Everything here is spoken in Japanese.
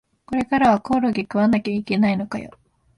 これからはコオロギ食わなきゃいけないのかよ